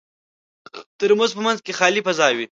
د ترموز په منځ کې خالي فضا وي.